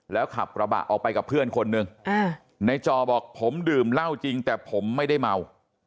แล้วขับกระบะออกไปกับเพื่อนคนหนึ่งในจอบอกผมดื่มเหล้าจริงแต่ผมไม่ได้เมา